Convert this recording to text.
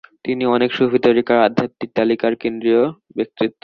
তিনি অনেক সুফি তরিকার আধ্যাত্মিক তালিকার কেন্দ্রীয় ব্যক্তিত্ব।